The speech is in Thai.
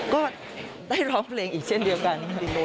ก็ได้ร้องเพลงอีกเช่นเดียวกัน